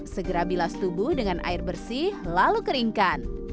segera bilas tubuh dengan air bersih lalu keringkan